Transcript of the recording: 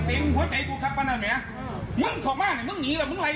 มึงแทงสุมทั้งใสนสนับสนึง